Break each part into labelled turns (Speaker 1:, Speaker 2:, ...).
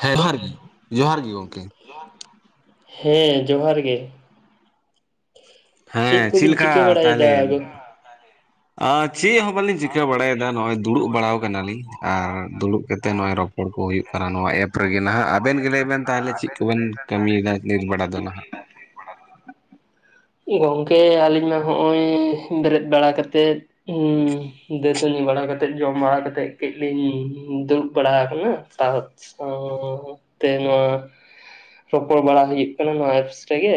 Speaker 1: ᱦᱮᱸ ᱡᱚᱦᱟᱨ ᱜᱮ ᱡᱚᱦᱟᱨ ᱜᱮ ᱜᱚᱢᱠᱮ
Speaker 2: ᱡᱚᱦᱟᱨ ᱜᱮ ᱜᱚᱢᱠᱮ ᱦᱮᱸ ᱡᱚᱦᱟᱨ ᱜᱮ ᱪᱮᱫ
Speaker 1: ᱦᱮᱸ
Speaker 2: ᱠᱚ ᱵᱤᱱ
Speaker 1: ᱞᱮᱠᱟ
Speaker 2: ᱪᱤᱠᱟᱹ ᱵᱟᱲᱟᱭ ᱮᱫᱟ
Speaker 1: ᱛᱟᱦᱚᱞᱮ
Speaker 2: ᱟ. ᱵᱤᱱ?
Speaker 1: [unintelligible] ᱪᱮᱫ ᱦᱚᱸ ᱵᱟᱹᱞᱤᱧ ᱪᱤᱠᱟᱹ ᱵᱟᱲᱟᱭ ᱮᱫᱟ ᱱᱚᱜᱼᱚᱭ ᱫᱩᱲᱩᱵ ᱵᱟᱲᱟ ᱟᱠᱟᱱᱟᱞᱤᱧ ᱟᱨ ᱫᱩᱲᱩᱵ ᱠᱟᱛᱮ ᱱᱚᱜᱼᱚᱭ ᱨᱚᱯᱚᱲᱼᱼ ᱦᱚᱲ ᱠᱚ ᱦᱩᱭᱩᱜ ᱠᱟᱱᱟ ᱱᱚᱣᱟ ᱮᱯ ᱨᱮᱜᱮ ᱱᱟᱦᱟᱜ ᱟᱵᱮᱱ ᱜᱮ ᱞᱟᱹᱭ ᱵᱮᱱ ᱛᱟᱦᱚᱞᱮ ᱪᱮᱫ ᱠᱚᱵᱮᱱ ᱠᱟᱹᱢᱤᱭ ᱮᱫᱟ ᱱᱤᱛ ᱵᱮᱲᱟ ᱫᱚ ᱱᱟᱦᱟᱜ
Speaker 2: [unintelligible] ᱜᱚᱝᱠᱮ ᱟᱹᱞᱤᱧ ᱢᱟ ᱦᱚᱸᱜᱼᱚᱭ ᱵᱮᱨᱮᱫ ᱵᱟᱲᱟ ᱠᱟᱛᱮᱫ ᱩᱸᱼᱼ ᱫᱟᱹᱛᱟᱹᱱᱤ ᱵᱟᱲᱟ ᱠᱟᱛᱮᱫ ᱡᱚᱢ ᱵᱟᱲᱟ ᱠᱟᱛᱮᱜ ᱠᱟᱹᱡ ᱞᱤᱧ ᱫᱩᱲᱩᱵ ᱵᱟᱲᱟ ᱟᱠᱟᱱᱟ ᱛᱟᱼᱼ ᱳ ᱛᱮ ᱱᱚᱣᱟ ᱨᱚᱯᱚᱲ ᱵᱟᱲᱟ ᱦᱩᱭᱩᱜ ᱠᱟᱱᱟ ᱱᱚᱣᱟ ᱮᱯᱥ ᱨᱮᱜᱮᱼᱼ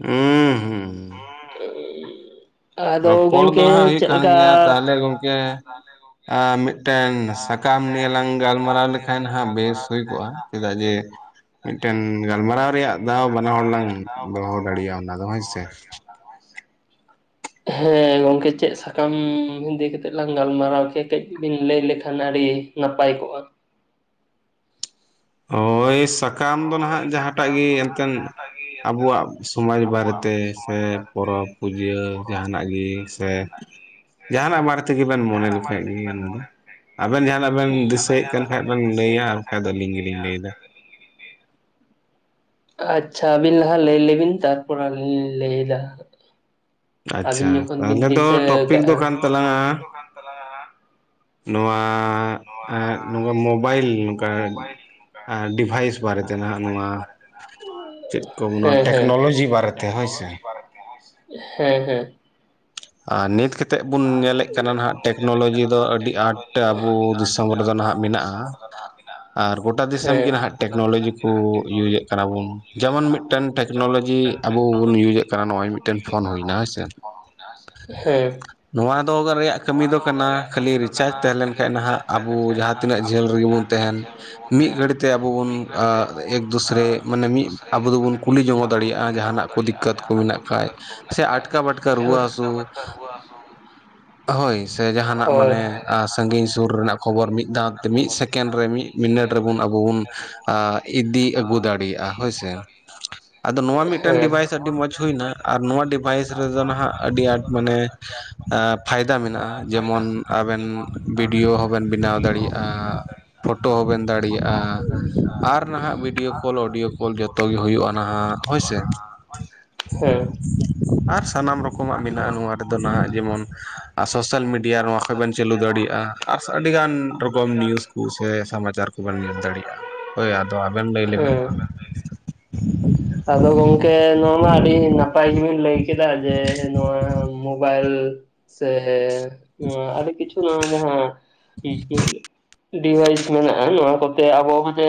Speaker 1: ᱩᱢ ᱦᱩᱸ
Speaker 2: [unintelligible]
Speaker 1: ᱨᱚᱯᱚᱲ ᱫᱚ
Speaker 2: ᱜᱚᱝᱠᱮ
Speaker 1: ᱦᱟᱸᱜ ᱦᱩᱭᱩᱜ
Speaker 2: ᱪᱮᱫ
Speaker 1: ᱠᱟᱱ
Speaker 2: ᱞᱮᱠᱟ
Speaker 1: ᱜᱮᱭᱟ ᱛᱟᱦᱞᱮ ᱜᱚᱢᱠᱮ ᱟᱨ ᱢᱤᱫᱴᱮᱱ ᱥᱟᱠᱟᱢ ᱱᱤᱭᱮ ᱞᱟᱝ ᱜᱟᱞᱢᱟᱨᱟᱣ ᱞᱮᱠᱷᱟᱱ ᱦᱟᱸᱜ ᱵᱮᱥ ᱦᱩᱭ ᱠᱚᱜ-ᱟ ᱪᱮᱫᱟᱜ ᱡᱮ ᱢᱤᱫᱴᱮᱱ ᱜᱟᱞᱢᱟᱨᱟᱣ ᱨᱮᱭᱟᱜ ᱫᱟᱣ ᱵᱟᱱᱟ ᱦᱚᱲ ᱞᱟᱝ ᱫᱚᱦᱚ ᱫᱟᱲᱮᱟᱜ-ᱟ ᱚᱱᱟ ᱫᱚ ᱦᱳᱭ ᱥᱮ
Speaker 2: ᱦᱳᱭ ᱥᱮ ᱦᱮᱸ ᱜᱚᱝᱠᱮ ᱪᱮᱫ ᱥᱟᱠᱟᱢ ᱤᱫᱤ ᱠᱟᱛᱮᱫ ᱞᱟᱝ ᱜᱟᱞᱢᱟᱨᱟᱣ ᱠᱮᱭᱟ ᱠᱟᱹᱡ ᱵᱤᱱ ᱞᱟᱹᱭ ᱞᱮᱠᱷᱟᱱ ᱟᱹᱰᱤᱼᱼ ᱱᱟᱯᱟᱭ ᱠᱚᱜ-ᱟ
Speaker 1: ᱦᱳᱭ ᱥᱟᱼᱼ ᱥᱟᱠᱟᱢ ᱫᱚ ᱱᱟᱦᱟᱸᱜ ᱡᱟᱦᱟᱸᱴᱟᱜ ᱜᱮ ᱮᱱᱛᱮᱱ ᱟᱵᱚᱣᱟᱜ ᱥᱚᱢᱟᱡ ᱵᱟᱨᱮ ᱛᱮ ᱥᱮ ᱯᱚᱨᱚᱵ ᱯᱩᱡᱟᱹ ᱡᱟᱦᱟ ᱱᱟᱜ ᱜᱮ ᱥᱮ ᱡᱟᱦᱟ ᱱᱟᱜ ᱵᱟᱨᱮ ᱛᱮᱜᱮ ᱵᱮᱱ ᱢᱚᱱᱮ ᱞᱮᱠᱷᱟᱡ ᱜᱮ ᱚᱱᱟ ᱫᱚ ᱟᱵᱮᱱ ᱡᱟᱦᱟᱸᱱᱟᱜ ᱵᱮᱱ ᱫᱤᱥᱟᱹᱭᱮᱫ ᱠᱟᱱ ᱠᱷᱟᱡ ᱵᱮᱱ ᱞᱟᱹᱭᱟ ᱵᱟᱠᱷᱟᱡ ᱫᱚ ᱟᱹᱞᱤᱧ ᱜᱮᱞᱤᱧ ᱞᱟᱹᱭᱮᱫᱟ᱾
Speaker 2: ᱟᱪᱪᱷᱟ ᱟᱹᱵᱤᱱ ᱞᱟᱦᱟ ᱞᱟᱹᱭ ᱞᱮᱵᱤᱱ ᱛᱟᱨᱯᱚᱨᱮ ᱟᱞᱤᱧ ᱞᱤᱧ ᱞᱟᱹᱭᱫᱟ ᱾
Speaker 1: ᱟᱪᱪᱷᱟ ᱛᱟᱦᱚᱞᱮ ᱫᱚ
Speaker 2: ᱫᱤᱥᱟᱹ
Speaker 1: ᱴᱚᱯᱤᱠ ᱫᱚ
Speaker 2: ᱠᱟᱜᱼᱟ
Speaker 1: ᱠᱟᱱ ᱛᱟᱞᱟᱝᱟ ᱱᱚᱣᱟ ᱮᱸ ᱢᱳᱵᱟᱭᱤᱞ ᱱᱚᱝᱠᱟ ᱰᱤᱵᱷᱟᱭᱤᱥ ᱵᱟᱨᱮᱛᱮ ᱱᱟᱦᱟᱜ ᱱᱚᱣᱟ ᱪᱮᱫ ᱠᱚ ᱚᱱᱟ
Speaker 2: ᱦᱮᱸ ᱦᱮᱸ
Speaker 1: ᱴᱮᱠᱱᱳᱞᱚᱡᱤ ᱵᱟᱨᱮᱛᱮ ᱦᱳᱭᱥᱮ,
Speaker 2: ᱦᱮᱸ ᱦᱮᱸ,
Speaker 1: ᱟᱨ ᱱᱤᱛ ᱠᱟᱛᱮ ᱵᱚᱱ ᱧᱮᱞᱮᱫ ᱠᱟᱱᱟ ᱱᱟᱦᱟᱸᱜ ᱴᱮᱠᱱᱳᱞᱚᱡᱤ ᱫᱚ ᱟᱹᱰᱤ ᱟᱸᱴ ᱟᱵᱚ ᱫᱤᱥᱚᱢ ᱨᱮᱫᱚ ᱱᱟᱦᱟᱸᱜ ᱢᱮᱱᱟᱜ-ᱟ᱾ ᱟᱨ ᱜᱚᱴᱟ ᱫᱤᱥᱚᱢ ᱜᱮ
Speaker 2: ᱦᱮᱸ
Speaker 1: ᱱᱟᱦᱟᱸᱜ ᱴᱮᱠᱱᱳᱞᱚᱡᱤ ᱠᱩ ᱤᱭᱩᱡᱮᱫ ᱠᱟᱱᱟ ᱵᱩᱱ ᱡᱮᱢᱚᱱ ᱢᱤᱫᱴᱟᱝ ᱴᱮᱠᱱᱳᱞᱚᱡᱤ ᱟᱵᱚ ᱵᱚᱱ
Speaker 2: ᱴᱮᱠᱱᱳᱞᱚᱡᱤ
Speaker 1: ᱤᱭᱩᱡᱮᱫ ᱠᱟᱱᱟ
Speaker 2: ᱟᱵᱩ
Speaker 1: ᱱᱚᱜᱼᱚᱭ
Speaker 2: ᱵᱩᱱ
Speaker 1: ᱢᱤᱫᱴᱮᱱ
Speaker 2: ᱤᱭᱩᱡᱮᱫ
Speaker 1: ᱯᱷᱳᱱ
Speaker 2: ᱠᱟᱱᱟ
Speaker 1: ᱦᱩᱭᱱᱟ
Speaker 2: ᱱᱚ-ᱚᱭ
Speaker 1: ᱦᱮᱸᱥᱮ
Speaker 2: [inaudible] ᱯᱷᱳᱱ ᱢᱮᱱᱟᱜ-ᱟ ᱦᱳᱭ ᱥᱮ
Speaker 1: ᱱᱚᱣᱟ ᱫᱚ [inaudible] ᱨᱮᱭᱟᱜ ᱠᱟᱹᱢᱤ ᱫᱚ ᱠᱟᱱᱟ ᱠᱷᱟᱹᱞᱤ ᱨᱤᱪᱟᱨᱡ ᱛᱟᱦᱮᱸ ᱞᱮᱱᱠᱷᱟᱱ ᱱᱟᱦᱟᱸᱜ ᱟᱵᱩ ᱡᱟᱦᱟᱸ ᱛᱤᱱᱟᱹᱜ ᱡᱷᱟᱹᱞ ᱨᱮᱜᱮ ᱵᱩᱱ ᱛᱟᱦᱮᱱ ᱢᱤᱫ ᱜᱷᱟᱹᱲᱤᱡ ᱛᱮ ᱟᱵᱚ ᱵᱩᱱ ᱮᱠᱫᱩᱥ ᱨᱮ ᱢᱟᱱᱮ ᱢᱤᱫ ᱟᱵᱩ ᱫᱚ ᱵᱩᱱ ᱠᱩᱞᱤ ᱡᱚᱝ-ᱚ ᱫᱟᱲᱮᱭᱟᱜ-ᱟ ᱡᱟᱦᱟ ᱱᱟᱜ᱾ ᱫᱤᱠᱠᱟᱹᱛ ᱠᱚ ᱢᱮᱱᱟᱜ ᱠᱷᱟᱡ ᱥᱮ ᱟᱴᱠᱟ ᱵᱟᱴᱠᱟ ᱨᱩᱣᱟᱹ ᱦᱟᱹᱥᱩ
Speaker 2: ᱨᱩᱣᱟᱹ ᱦᱟᱹᱥᱩ
Speaker 1: ᱦᱳᱭ ᱥᱮ ᱡᱟᱦᱟ ᱱᱟᱜ ᱢᱟᱱᱮ ᱥᱟᱺᱜᱤᱧ ᱥᱩᱨ ᱨᱮᱱᱟᱜ ᱠᱷᱚᱵᱚᱨ ᱢᱤᱫ ᱫᱷᱟᱣ ᱛᱮ ᱢᱤᱫ ᱥᱮᱠᱮᱱᱰ ᱨᱮ ᱢᱤᱫ ᱢᱤᱱᱤᱴ ᱨᱮᱵᱩᱱ ᱟᱵᱩ ᱵᱩᱱ ᱟᱸ ᱤᱫᱤ ᱟᱹᱜᱩ ᱫᱟᱲᱮᱭᱟᱜ-ᱟ ᱦᱳᱭᱥᱮ᱾ ᱟᱫᱚ ᱱᱚᱣᱟ ᱢᱤᱫᱴᱮᱱ
Speaker 2: ᱦᱮᱸ
Speaker 1: ᱰᱤᱵᱷᱟᱭᱤᱥ ᱟᱹᱰᱤ ᱢᱚᱸᱡᱽ ᱦᱩᱭᱱᱟ ᱟᱨ ᱱᱚᱣᱟ ᱰᱤᱵᱷᱟᱭᱤᱥ ᱨᱮᱫᱚ ᱱᱟᱦᱟᱜ ᱟᱹᱰᱤ ᱟᱸᱴ ᱢᱟᱱᱮ ᱯᱷᱟᱭᱫᱟ ᱢᱮᱱᱟᱜ-ᱟ ᱡᱮᱢᱚᱱ ᱟᱵᱮᱱ ᱵᱤᱰᱭᱳ ᱦᱚᱸᱵᱮᱱ ᱵᱮᱱᱟᱣ ᱫᱟᱲᱮᱭᱟᱜ-ᱟ᱾ ᱯᱷᱳᱴᱳ ᱦᱚᱸᱵᱮᱱ ᱫᱟᱲᱮᱭᱟᱜ-ᱟ ᱟᱨ ᱱᱟᱦᱟᱸᱜ ᱵᱤᱰᱭᱳ ᱠᱚᱞ ᱚᱰᱤᱭᱳ ᱠᱚᱞ ᱡᱚᱛᱚ ᱡᱚᱛᱚ ᱜᱮ ᱦᱩᱭᱩᱜ-ᱟ ᱱᱟᱦᱟᱸᱜ ᱦᱳᱭᱥᱮ
Speaker 2: ᱦᱮᱸ
Speaker 1: ᱟᱨ ᱥᱟᱱᱟᱢ ᱨᱚᱠᱚᱢ ᱢᱮᱱᱟᱜ-ᱟ ᱱᱚᱣᱟ ᱨᱮᱫᱚ ᱱᱟᱦᱟᱸᱜ ᱡᱮᱢᱚᱱ ᱥᱳᱥᱟᱞ ᱢᱤᱰᱤᱭᱟ ᱱᱚᱣᱟ ᱠᱷᱚᱡ ᱵᱮᱱ ᱪᱟᱹᱞᱩ ᱫᱟᱲᱮᱭᱟᱜ-ᱟ᱾ ᱟᱨ ᱟᱹᱰᱤ ᱜᱟᱱ ᱨᱚᱠᱚᱢ ᱱᱤᱭᱩᱡ ᱠᱚ ᱥᱮ ᱥᱚᱢᱟᱪᱟᱨ ᱠᱚᱵᱮᱱ ᱧᱮᱞ ᱫᱟᱲᱮᱭᱟᱜ-ᱟ, ᱦᱳᱭ ᱟᱨ ᱫᱚ ᱟᱵᱮᱱ ᱞᱟᱹᱭ ᱞᱮᱵᱮᱱ,
Speaker 2: ᱟᱫᱚ ᱜᱚᱝᱠᱮ ᱱᱚᱣᱟ ᱢᱟ ᱟᱹᱰᱤ ᱱᱟᱯᱟᱭ ᱜᱮᱵᱤᱱ ᱞᱟᱹᱭ ᱠᱮᱫᱟ ᱡᱮ ᱱᱚᱣᱟ ᱢᱳᱵᱟᱭᱤᱞ ᱥᱮ ᱱᱚᱣᱟ ᱠᱤᱪᱷᱩ ᱱᱚᱣᱟ ᱡᱟᱸᱦᱟ ᱰᱤᱵᱷᱟᱭᱤᱥ ᱢᱮᱱᱟᱜ-ᱟ ᱱᱚᱣᱟ ᱠᱚᱛᱮ ᱟᱵᱚ ᱡᱮ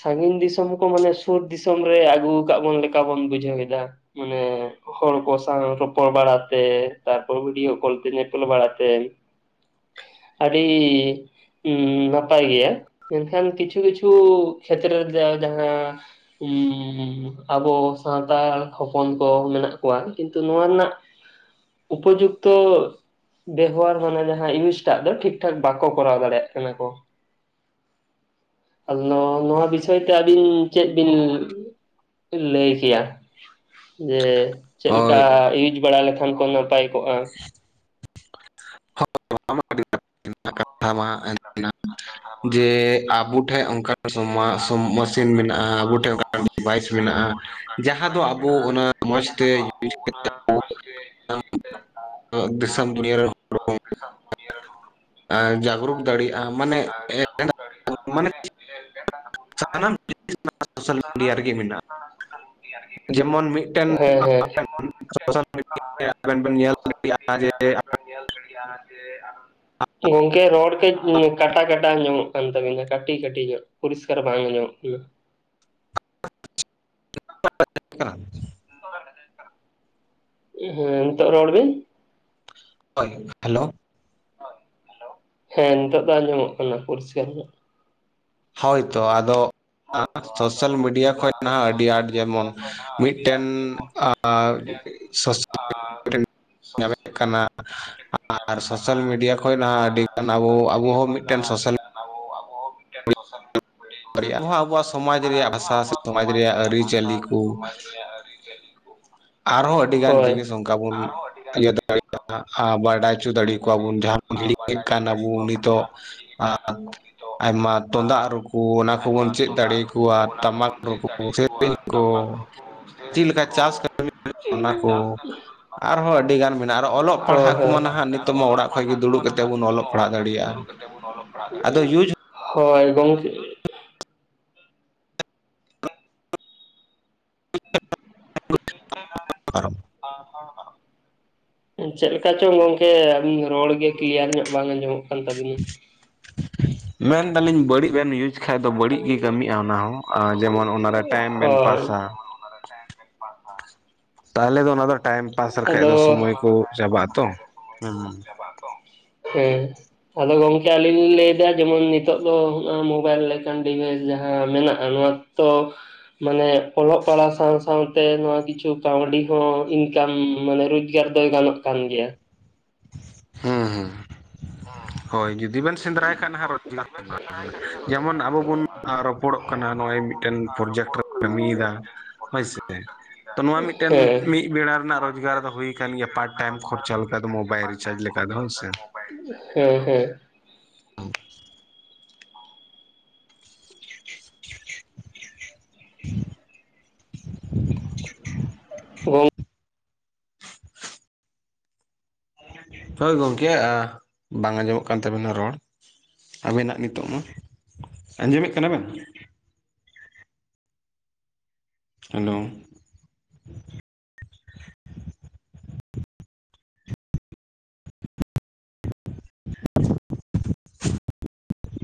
Speaker 2: ᱥᱟᱺᱜᱤᱧ ᱫᱤᱥᱚᱢ ᱠᱚ ᱢᱟᱱᱮ ᱥᱩᱨ ᱫᱤᱥᱚᱢ ᱨᱮ ᱟᱹᱜᱩ ᱠᱟᱜ ᱵᱚᱱ ᱞᱮᱠᱟ ᱵᱚᱱ ᱵᱩᱡᱷᱟᱹᱣ ᱮᱫᱟ᱾ ᱢᱟᱱᱮ ᱦᱚᱲ ᱠᱚ ᱥᱟᱶ ᱨᱚᱯᱚᱲ ᱵᱟᱲᱟ ᱛᱮ ᱛᱟᱨᱯᱚᱨ ᱵᱷᱤᱰᱭᱳ ᱠᱚᱞ ᱛᱮ ᱧᱮᱯᱮᱞ ᱵᱟᱲᱟᱛᱮ ᱟᱹᱰᱤ ᱩᱢ ᱱᱟᱯᱟᱭ ᱜᱮᱭᱟ ᱢᱮᱱᱠᱷᱟᱱ ᱠᱤᱪᱷᱩ ᱠᱤᱪᱷᱩ ᱠᱷᱮᱛᱛᱮᱨᱮ ᱨᱮ ᱡᱟᱦᱟᱸ [unintelligible] ᱟᱵᱚ ᱥᱟᱱᱛᱟᱲ ᱦᱚᱯᱚᱱ ᱠᱚ ᱢᱮᱱᱟᱜ ᱠᱚᱣᱟ ᱠᱤᱱᱛᱩ ᱱᱚᱣᱟ ᱨᱮᱱᱟᱜ ᱩᱯᱚᱡᱩᱠᱛᱚ ᱵᱮᱵᱚᱦᱟᱨ ᱢᱟᱱᱮ ᱡᱟᱦᱟᱸ ᱤᱭᱩᱡ ᱴᱟᱜ ᱫᱚ ᱴᱷᱤᱠ ᱴᱷᱟᱠ ᱵᱟᱠᱚ ᱠᱚᱨᱟᱣ ᱫᱟᱲᱮᱭᱟᱜ ᱠᱟᱱᱟ ᱠᱚ ᱾ ᱟᱫᱚ ᱱᱚᱣᱟ ᱵᱤᱥᱚᱭ ᱛᱮ ᱟᱹᱵᱤᱱ ᱪᱮᱫ ᱵᱤᱱ ᱞᱟᱹᱭ ᱠᱮᱭᱟ ᱡᱮ ᱪᱮᱫ ᱞᱮᱠᱟ
Speaker 1: ᱦᱳᱭ
Speaker 2: ᱤᱭᱩᱡ ᱵᱟᱲᱟ ᱞᱮᱠᱷᱟᱱ ᱠᱚ ᱱᱟᱯᱟᱭ ᱠᱚᱜ-ᱟ?
Speaker 1: [unintelligible] [unintelligible] ᱡᱮ ᱟᱵᱩ ᱴᱷᱮᱡ ᱚᱱᱠᱟ ᱥᱚᱢᱟ ᱥᱚᱢ ᱢᱮᱥᱤᱱ ᱢᱮᱱᱟᱜ-ᱟ ᱟᱵᱩ ᱴᱷᱮᱱ ᱚᱱᱟ ᱰᱤᱵᱷᱟᱭᱤᱥ ᱢᱮᱱᱟᱜ-ᱟ ᱡᱟᱦᱟᱸ ᱫᱚ ᱟᱵᱩ ᱚᱱᱟ ᱢᱚᱡᱽ ᱛᱮ [unintelligible]
Speaker 2: [inaudible]
Speaker 1: ᱫᱤᱥᱚᱢ ᱫᱩᱱᱤᱭᱟᱹ ᱨᱮᱱ
Speaker 2: [unintelligible] ᱫᱤᱥᱚᱢ ᱫᱩᱱᱤᱭᱟᱹ ᱨᱮᱱ ᱦᱚᱲ
Speaker 1: ᱡᱟᱜᱽᱨᱩᱠ ᱫᱟᱲᱤᱜ-ᱟ ᱢᱟᱱᱮ [inaudible] ᱢᱟᱱᱮ ᱥᱟᱱᱟᱢ [unintelligible] ᱥᱳᱥᱟᱞ ᱢᱤᱰᱤᱭᱟ ᱨᱮᱜᱮ ᱢᱤᱱᱟᱜ-ᱟ ᱾ ᱡᱮᱢᱚᱱ ᱢᱤᱫᱴᱮᱱ
Speaker 2: ᱦᱮᱸ
Speaker 1: [unintelligible]
Speaker 2: ᱦᱮᱸ
Speaker 1: ᱟᱵᱮᱱ ᱵᱮᱱ ᱧᱮᱞ [unintelligible] ᱡᱮ
Speaker 2: [unintelligible] ᱜᱚᱝᱠᱮ ᱨᱚᱲ ᱠᱟᱹᱡ ᱦᱩᱸ ᱠᱟᱴᱟ ᱠᱟᱴᱟ ᱟᱸᱢᱚᱜ ᱠᱟᱱ ᱛᱟᱹᱵᱤᱱᱟ ᱠᱟᱴᱤ ᱠᱟᱴᱤ ᱧᱚᱸᱜ ᱯᱚᱨᱤᱥᱠᱟᱨ ᱵᱟᱝ ᱟᱸᱢᱚᱜ ᱠᱟᱱᱟ ᱾
Speaker 1: [inaudible]
Speaker 2: [unintelligible] ᱦᱮᱸ ᱱᱤᱛᱳᱜ ᱨᱚᱲ ᱵᱤᱱ ᱾
Speaker 1: ᱦᱳᱭ, ᱦᱮᱞᱳ ᱾
Speaker 2: ᱦᱮᱸ ᱱᱤᱛᱚᱜ ᱫᱚ ᱟᱸᱡᱚᱢᱚᱜ ᱠᱟᱱᱟ ᱯᱚᱨᱤᱥᱠᱟᱨ ᱧᱚᱜ ᱾
Speaker 1: ᱦᱳᱭ ᱛᱚ ᱟᱫᱚ ᱥᱳᱥᱟᱞ ᱢᱤᱰᱤᱭᱟ ᱠᱷᱚᱡ ᱱᱟᱦᱟᱜ ᱟᱹᱰᱤ ᱟᱸᱴ ᱡᱮᱢᱚᱱ ᱢᱤᱫᱴᱮᱱ ᱟᱨ [inaudible] ᱧᱟᱢᱮᱫ ᱠᱟᱱᱟ ᱟᱨ ᱥᱳᱥᱟᱞ ᱢᱤᱰᱤᱭᱟ ᱠᱷᱚᱡ ᱱᱟᱦᱟᱜ ᱟᱹᱰᱤᱜᱟᱱ ᱟᱵᱚ ᱟᱵᱚ ᱦᱚᱸ ᱢᱤᱫᱴᱮᱱ ᱥᱳᱥᱟᱞ
Speaker 2: ᱟᱵᱚ ᱟᱵᱚ ᱦᱚ ᱢᱤᱫᱴᱮᱱ ᱥᱳᱥᱟᱞ
Speaker 1: ᱢᱤᱰᱤᱭᱟ ᱟᱵᱚ ᱦᱚᱸ ᱟᱵᱚᱣᱟᱜ ᱥᱚᱢᱟᱡᱽ
Speaker 2: [unintelligible] ᱟᱨ
Speaker 1: ᱨᱮᱭᱟᱜ
Speaker 2: ᱟᱵᱚ ᱦᱚᱸ
Speaker 1: ᱵᱷᱟᱥᱟ ᱥᱮ
Speaker 2: ᱟᱵᱚᱣᱟᱜ ᱥᱚᱢᱟᱡᱽ ᱨᱮᱭᱟᱜ ᱵᱷᱟᱥᱟ
Speaker 1: ᱟᱹᱨᱤᱪᱟᱹᱞᱤ
Speaker 2: ᱥᱮ
Speaker 1: ᱠᱚ
Speaker 2: ᱥᱚᱢᱟᱡᱽ ᱨᱮᱭᱟᱜ ᱟᱹᱨᱤᱪᱟᱹᱞᱤ
Speaker 1: ᱟᱨᱦᱚᱸ ᱟᱹᱰᱤ ᱜᱟᱱ ᱡᱤᱱᱤᱥ ᱚᱱᱠᱟ ᱵᱩᱱ ᱤᱭᱟᱹ ᱫᱟᱲᱮᱭᱟᱜ-ᱟ ᱟ ᱵᱟᱰᱟᱭ ᱪᱩ ᱫᱟᱹᱲᱤ ᱟᱹᱠᱩᱣᱟ ᱵᱩᱱ ᱡᱟᱦᱟᱸ ᱵᱚᱱ ᱦᱤᱲᱤᱧᱮᱫ ᱠᱟᱱ ᱟᱵᱚ ᱱᱤᱛᱚᱜ [inaudible] ᱟᱭᱢᱟ ᱛᱩᱫᱟᱜ ᱨᱩ ᱠᱩ ᱚᱱᱟ ᱠᱚᱵᱚᱱ ᱪᱮᱫ ᱫᱟᱹᱲᱤ ᱟᱹᱠᱩᱣᱟ ᱴᱟᱢᱟᱠ ᱨᱩ ᱠᱩ ᱥᱮᱨᱮᱧ ᱠᱚ ᱾ [unintelligible] ᱞᱮᱠᱟ ᱪᱟᱥ ᱠᱟᱹᱢᱤ ᱚᱱᱟ ᱠᱚ᱾ [inaudible] ᱟᱨᱦᱚᱸ ᱟᱹᱰᱤᱜᱟᱱ ᱢᱮᱱᱟᱜ-ᱟ ᱟᱨ ᱚᱞᱚᱜ ᱯᱟᱲᱦᱟᱜ ᱠᱩᱢᱟ ᱱᱟᱦᱟᱜ ᱱᱤᱛ
Speaker 2: ᱚᱞᱚᱜ ᱯᱟᱲᱦᱟᱜ ᱠᱚᱢᱟ ᱱᱟᱦᱟᱜ ᱱᱤᱛᱚᱜ ᱢᱟ ᱚᱲᱟᱜ ᱠᱷᱚᱡ ᱜᱮ
Speaker 1: ᱫᱟᱲᱮᱭᱟᱜᱼᱟ
Speaker 2: ᱫᱩᱲᱩᱵ ᱠᱟᱛᱮ ᱵᱚᱱ ᱚᱞᱚᱜ ᱯᱟᱲᱦᱟᱣ
Speaker 1: ᱟᱫᱚ
Speaker 2: ᱫᱟᱲᱮᱭᱟᱜ-ᱟ
Speaker 1: ᱤᱭᱩᱡᱽ
Speaker 2: ᱾ ᱦᱳᱭ, ᱜᱚᱝᱠᱮ [inaudible]
Speaker 1: [unintelligible]
Speaker 2: [unintelligible] ᱪᱮᱫ ᱞᱮᱠᱟ ᱪᱚᱝ ᱜᱚᱝᱠᱮ ᱟᱹᱵᱤᱱ ᱨᱚᱲ ᱜᱮ ᱠᱞᱤᱭᱟᱨ ᱧᱚᱜ ᱵᱟᱝ ᱟᱸᱡᱚᱢᱚᱜ ᱠᱟᱱ ᱛᱟᱵᱤᱱᱟ ᱾
Speaker 1: ᱢᱮᱱ ᱮᱫᱟᱞᱤᱧ ᱵᱟᱹᱲᱤᱡ ᱵᱮᱱ ᱤᱭᱩᱡᱽ ᱠᱷᱟᱡ ᱫᱚ ᱵᱟᱹᱲᱤᱡ ᱜᱮ ᱠᱟᱹᱢᱤᱜ-ᱟ ᱚᱱᱟ ᱦᱚᱸ ᱟᱨ ᱡᱮᱢᱚᱱ ᱚᱱᱟ ᱨᱮ ᱴᱟᱭᱤᱢ ᱵᱮᱱ ᱯᱟᱥᱟ ᱾
Speaker 2: ᱚᱱᱟᱨᱮ ᱴᱟᱭᱮᱢ ᱵᱮᱱ ᱯᱟᱥ
Speaker 1: ᱛᱟᱦᱞᱮ ᱫᱚ ᱚᱱᱟ ᱫᱚ ᱴᱟᱭᱤᱢ ᱯᱟᱥ ᱞᱮᱠᱷᱟᱡ ᱫᱚ
Speaker 2: ᱟᱫᱚ
Speaker 1: ᱥᱚᱢᱚᱭ ᱠᱚ ᱪᱟᱵᱟᱜ-ᱟ ᱛᱚ ᱾ [inaudible] ᱦᱮᱸ ᱾
Speaker 2: ᱪᱟᱵᱟᱜ-ᱟ ᱛᱚ ᱾ ᱦᱩᱸ ᱾ ᱟᱫᱚ ᱜᱚᱝᱠᱮ ᱟᱹᱞᱤᱧ ᱞᱤᱧ ᱞᱟᱹᱭ ᱮᱫᱟ ᱡᱮᱢᱚᱱ ᱱᱤᱛᱚᱜ ᱫᱚ ᱢᱳᱵᱟᱭᱤᱞ ᱞᱮᱠᱟᱱ ᱰᱤᱵᱷᱟᱭᱤᱥ ᱡᱟᱦᱟᱸ ᱢᱮᱱᱟᱜ-ᱟ ᱱᱚᱣᱟ ᱛᱚ ᱢᱟᱱᱮ ᱚᱞᱚᱜ ᱯᱟᱲᱦᱟᱣ ᱥᱟᱶ ᱥᱟᱶᱛᱮ ᱱᱚᱣᱟ ᱠᱤᱪᱷᱩ ᱠᱟᱹᱣᱰᱤ ᱦᱚᱸ ᱤᱱ ᱠᱟᱢ ᱢᱟᱱᱮ ᱨᱳᱡᱽᱜᱟᱨ ᱫᱚᱭ ᱜᱟᱱᱚᱜ ᱠᱟᱱ ᱜᱮᱭᱟ ᱾
Speaker 1: ᱦᱮᱸ ᱦᱮᱸ [inaudible] ᱦᱳᱭ ᱡᱩᱫᱤ ᱵᱮᱱ ᱥᱮᱸᱫᱽᱨᱟᱭ ᱠᱷᱟᱱ ᱦᱟᱜ ᱨᱳᱡᱽ [unintelligible] [unintelligible] ᱡᱮᱢᱚᱱ ᱟᱵᱚ ᱵᱚᱱ ᱨᱚᱯᱚᱲᱚᱜ ᱠᱟᱱᱟ ᱱᱚᱸᱜ-ᱚᱭ ᱢᱤᱫᱴᱮᱱ ᱯᱨᱚᱡᱮᱠᱴ ᱨᱮ [unintelligible] ᱠᱟᱹᱢᱤᱭᱮᱫᱟ ᱾ ᱦᱳᱭᱥᱮ ᱾ ᱛᱚ ᱱᱚᱣᱟ ᱢᱤᱫᱴᱮᱱ
Speaker 2: ᱦᱮᱸ
Speaker 1: ᱢᱤᱫ ᱵᱮᱲᱟ ᱨᱮᱱᱟᱜ ᱨᱳᱡᱽᱜᱟᱨ ᱫᱚ ᱦᱩᱭ ᱟᱠᱟᱱ ᱜᱮᱭᱟ, ᱯᱟᱴ ᱴᱟᱭᱤᱢ ᱠᱷᱚᱨᱪᱟ ᱞᱮᱠᱟ ᱫᱚ ᱢᱳᱵᱟᱭᱤᱞ ᱨᱤᱪᱟᱨᱪ ᱞᱮᱠᱟ ᱫᱚ ᱦᱳᱭᱥᱮ ᱾
Speaker 2: ᱦᱩᱸ ᱦᱩᱸ᱾
Speaker 1: [inaudible]
Speaker 2: [unintelligible]
Speaker 1: ᱦᱳᱭ ᱜᱚᱝᱠᱮ ᱟᱸ ᱵᱟᱝ ᱟᱸᱡᱚᱢᱚᱜ ᱠᱟᱱ ᱛᱟᱵᱮᱱᱟ ᱨᱚᱲ᱾ ᱟᱵᱮᱱᱟᱜ ᱱᱤᱛᱚᱜ ᱢᱟ, ᱟᱸᱡᱚᱢᱮᱜ ᱠᱟᱱᱟ ᱵᱮᱱ? ᱦᱮᱞᱳ᱾ [inaudible]